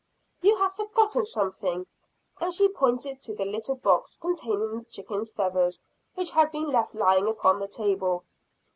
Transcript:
"You have forgotten something," and she pointed to the little box, containing the chicken's feathers which had been left lying upon the table.